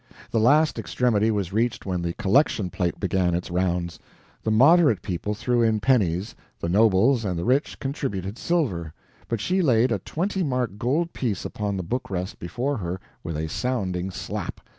The last extremity was reached when the collection plate began its rounds; the moderate people threw in pennies, the nobles and the rich contributed silver, but she laid a twenty mark gold piece upon the book rest before her with a sounding slap!